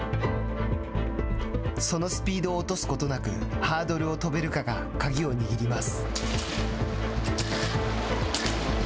そのスピードを落とすことなくハードルを跳べるかが鍵を握ります。